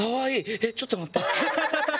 えっちょっと待って。